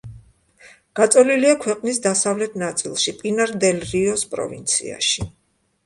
გაწოლილია ქვეყნის დასავლეთ ნაწილში, პინარ-დელ-რიოს პროვინციაში.